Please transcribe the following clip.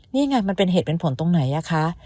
นี่ไงมันเป็นเหตุเป็นผลตรงไหนอะคะ